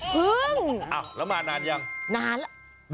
พึ่งอ้าวแล้วมานานยังนานล่ะ